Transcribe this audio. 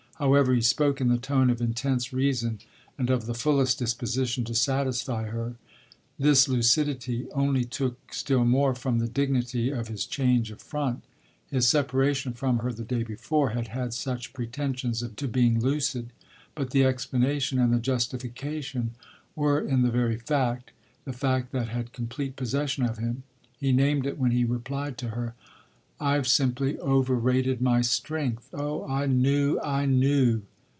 However, he spoke in the tone of intense reason and of the fullest disposition to satisfy her. This lucidity only took still more from the dignity of his change of front: his separation from her the day before had had such pretensions to being lucid. But the explanation and the justification were in the very fact, the fact that had complete possession of him. He named it when he replied to her: "I've simply overrated my strength." "Oh I knew I knew!